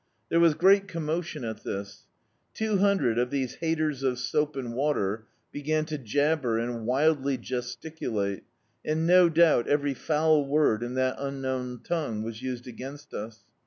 There was great commotion at this. Two hundred of these haters of soap and water began to jabber and wildly gesticulate, and no doubt every foul word in that unknown tongue was used against us.